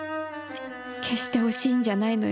決して惜しいんじゃないのよ。